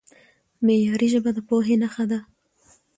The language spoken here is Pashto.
معیاري ژبه د پوهې نښه ده.